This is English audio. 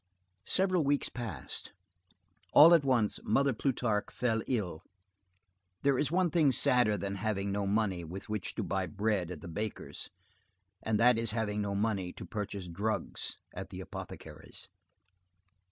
Several weeks passed. All at once, Mother Plutarque fell ill. There is one thing sadder than having no money with which to buy bread at the baker's and that is having no money to purchase drugs at the apothecary's.